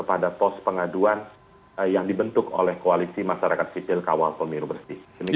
ada pos pengaduan yang dibentuk oleh koalisi masyarakat fitil kawal komunikasi